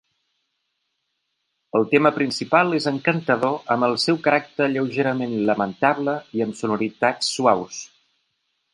El tema principal és encantador en el seu caràcter lleugerament lamentable i amb sonoritats suaus.